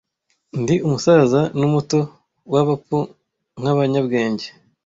Ndi umusaza n'umuto, w'abapfu nkabanyabwenge,